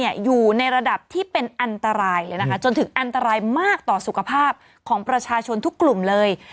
อยู่ในระดับที่เป็นอันตรายเลยนะคะจนถึงอันตรายมากต่อสุขภาพของประชาชนทุกกลุ่มเลย